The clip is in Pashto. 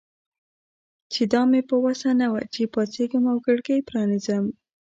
چې دا مې په وسه نه وه چې پاڅېږم او کړکۍ پرانیزم.